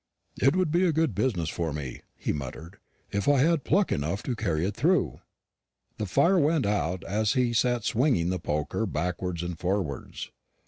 "It would be a good business for me," he muttered, "if I had pluck enough to carry it through." The fire went out as he sat swinging the poker backwards and forwards.